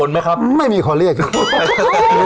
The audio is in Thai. ความคิดดีกว่าไม่ไม่เคยขอเรียก